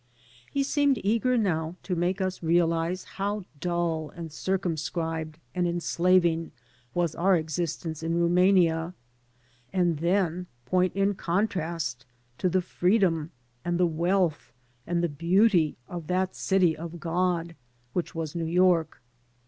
He seemed eager now to make us realize how duU and circumscribed and enslaving was our existence in Rumania, and then point in contrast to the freedom and the wealth and the beauty of that City of God which was New York.